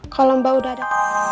kalau mbak udah ada